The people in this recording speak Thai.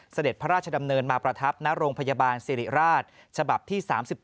เสด็จพระราชดำเนินมาประทับณโรงพยาบาลสิริราชฉบับที่๓๔